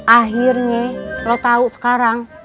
akhirnya lo tau sekarang